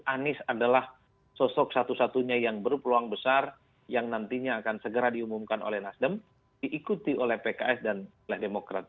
anies adalah sosok satu satunya yang berpeluang besar yang nantinya akan segera diumumkan oleh nasdem diikuti oleh pks dan oleh demokrat